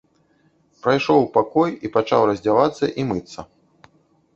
Прайшоў у пакой і пачаў раздзявацца і мыцца.